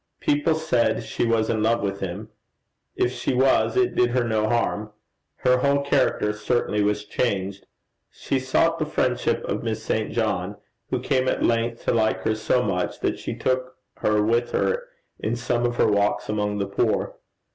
People said she was in love with him: if she was, it did her no harm. Her whole character certainly was changed. She sought the friendship of Miss St. John, who came at length to like her so much, that she took her with her in some of her walks among the poor.